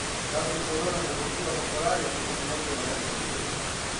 Dato il suo ruolo nella cultura popolare, esistono molte varianti del testo.